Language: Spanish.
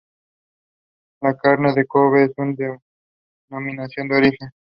La carne de Kobe es una "denominación de origen".